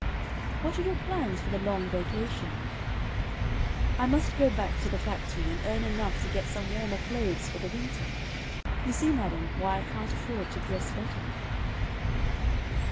"What are your plans for the long vacation?" "I must go back to the factory and earn enough to get some warmer clothes for the winter. You see, madam, why I can't afford to dress better."